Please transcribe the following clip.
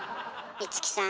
五木さん